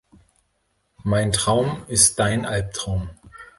Mein Traum ist dein Albtraum.